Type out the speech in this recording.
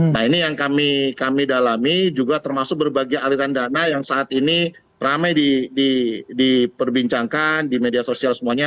nah ini yang kami dalami juga termasuk berbagai aliran dana yang saat ini ramai diperbincangkan di media sosial semuanya